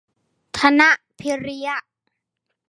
ธนพิริยะ